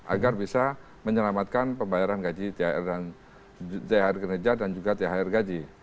agar bisa menyelamatkan pembayaran gaji thr kinerja dan juga thr gaji